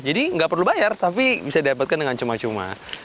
jadi nggak perlu bayar tapi bisa diapetkan dengan cuma cuma